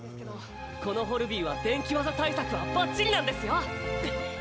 このホルビーは電気技対策はばっちりなんですよ。